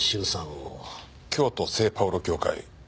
京都聖パウロ教会？